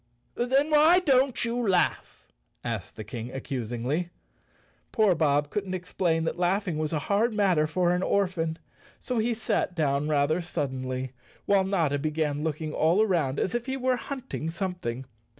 "Then why don't you laugh?" asked the King ac¬ cusingly. Poor Bob couldn't explain that laughing was a hard matter for an orphan, so he sat down rather suddenly, while Notta began looking all around as if he were hunting something.